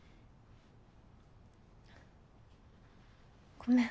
ごめん。